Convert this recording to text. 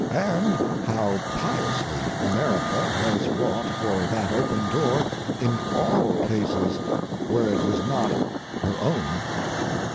And how piously America has wrought for that open door in all cases where it was not her own!